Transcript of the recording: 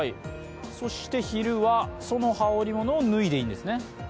そして昼はその羽織り物を脱いでいいんですね。